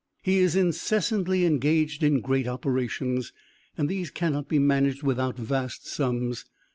He is incessantly engaged in great operations, and these cannot be managed without vast sums.